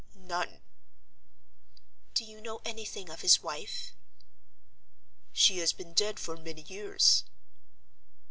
"None." "Do you know anything of his wife?" "She has been dead for many years."